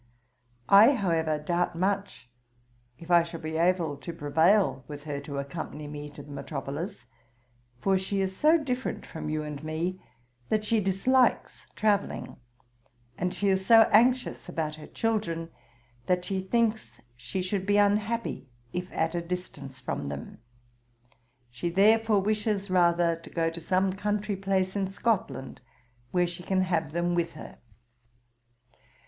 I, however, doubt much if I shall be able to prevail with her to accompany me to the metropolis; for she is so different from you and me, that she dislikes travelling; and she is so anxious about her children, that she thinks she should be unhappy if at a distance from them. She therefore wishes rather to go to some country place in Scotland, where she can have them with her.